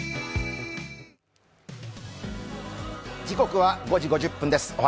時刻は５時５０分です。